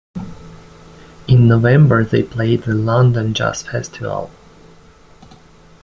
In November they played the London Jazz Festival.